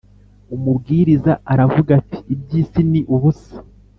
Umubwiriza aravuga ati ibyisi ni ubusa